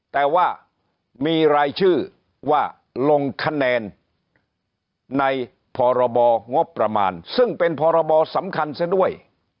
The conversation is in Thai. แต่ว่ามีรายชื่อว่าลงคะแนนในพรบงบประมาณซึ่งเป็นพรบสำคัญซะด้วย